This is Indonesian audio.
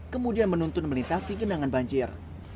kemudian menuntun melintasi genangan banjir